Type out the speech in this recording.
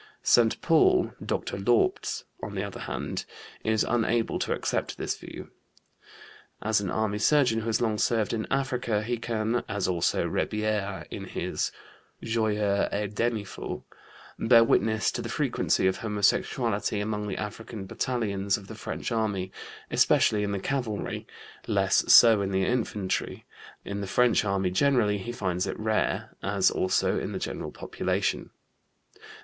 Saint Paul ("Dr. Laupts"), on the other hand, is unable to accept this view. As an army surgeon who has long served in Africa he can (as also Rebierre in his Joyeux et demifous) bear witness to the frequency of homosexuality among the African battalions of the French army, especially in the cavalry, less so in the infantry; in the French army generally he finds it rare, as also in the general population.